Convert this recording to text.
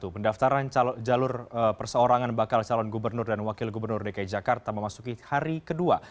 pendaftaran jalur perseorangan bakal calon gubernur dan wakil gubernur dki jakarta memasuki hari kedua